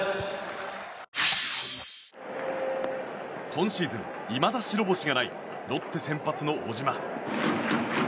今シーズンいまだ白星がないロッテ先発の小島。